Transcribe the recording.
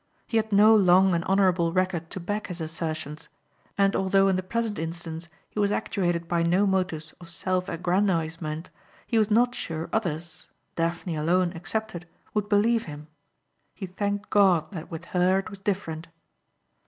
He had no long and honorable record to back his assertions; and although in the present instance he was actuated by no motives of self aggrandizement he was not sure others Daphne alone excepted would believe him. He thanked God that with her it was different.